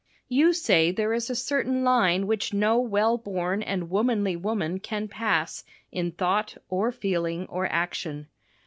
You say there is a certain line which no well born and womanly woman can pass in thought or feeling or action.